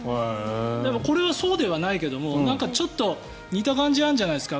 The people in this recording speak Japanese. だから、これはそうではないけどなんか、ちょっと似た感じなんじゃないですか。